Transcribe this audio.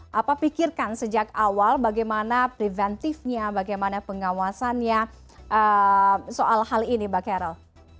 yang harus dipikirkan sejak awal bagaimana preventifnya bagaimana pengawasannya soal hal ini mbak carol